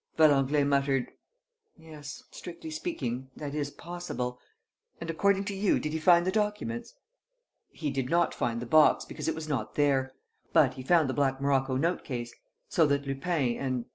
Valenglay muttered: "Yes, strictly speaking, that is possible. ... And, according to you, did he find the documents?" "He did not find the box, because it was not there; but he found the black morocco note case. So that Lupin and